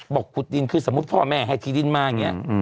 ขุดดินคือสมมุติพ่อแม่ให้ที่ดินมาอย่างนี้